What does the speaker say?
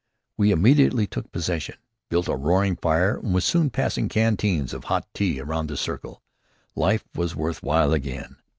We immediately took possession, built a roaring fire, and were soon passing canteens of hot tea around the circle. Life was worth while again.